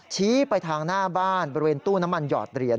ชี้ไปทางหน้าบ้านบริเวณตู้น้ำมันหอดเหรียญ